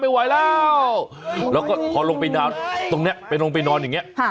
ไม่ไหวแล้วแล้วก็พอลงไปนอนตรงนี้ไปลงไปนอนอย่างนี้